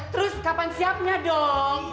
terus kapan siapnya dong